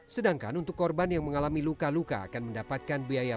sedangkan untuk korban yang mengalami luka luka akan mendapatkan biaya